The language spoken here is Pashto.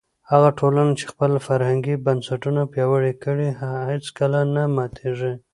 هغه ټولنه چې خپل فرهنګي بنسټونه پیاوړي کړي هیڅکله نه ماتېږي.